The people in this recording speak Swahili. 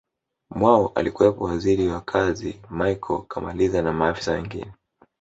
mwao alikuwepo Waziri wa kazi Michael kamaliza na maafisa wengine